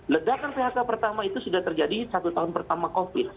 ledakan phk pertama itu sudah terjadi satu tahun pertama covid